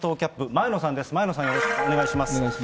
前野さん、お願いします。